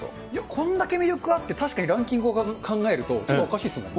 こんだけ魅力があって、確かにランキングを考えると、ちょっとおかしいですもんね。